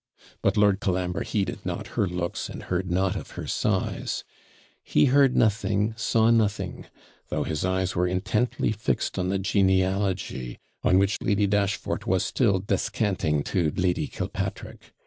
But Lord Colambre heeded not her looks, and heard not of her sighs; he heard nothing, saw nothing, though his eyes were intently fixed on the genealogy, on which Lady Dashfort was still descanting to Lady Killpatrick.